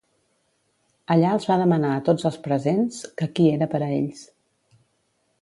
Allà els va demanar a tots els presents, que qui era per a ells.